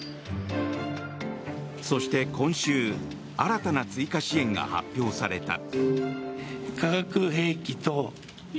そして、今週新たな追加支援が発表された。